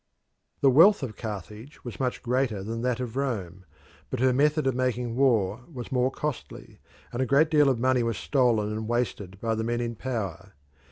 The wealth of Carthage was much greater than that of Rome, but her method of making war was more costly, and a great deal of money was stolen and wasted by the men in power.